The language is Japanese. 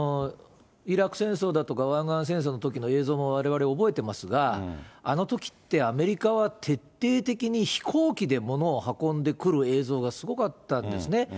イラク戦争だとか、湾岸戦争のときの映像もわれわれ覚えてますが、あのときって、アメリカは徹底的に飛行機で物を運んでくる映像がすごかったんですね。